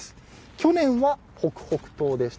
去年は、北北東でした。